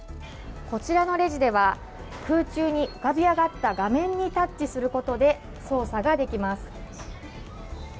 こちらのレジでは空中に浮かび上がった画面にタッチすることで操作ができます。